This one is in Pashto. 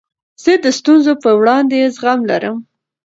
زه د ستونزو په وړاندي زغم لرم.